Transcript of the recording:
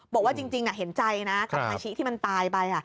บอกว่าจริงเห็นใจนะกับอาชิที่มันตายไป